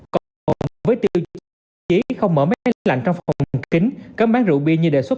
còn với tiêu chí không mở máy lạnh trong phòng bằng kính cấm bán rượu bia như đề xuất